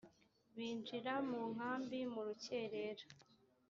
binjira mu nkambi mu rukerera